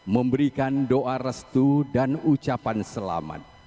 memberikan doa restu dan ucapan selamat